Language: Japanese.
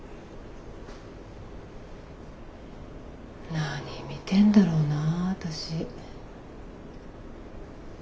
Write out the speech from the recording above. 何見てんだろうなぁ私。